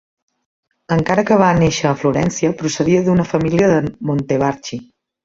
Encara que va néixer a Florència, procedia d'una família de Montevarchi.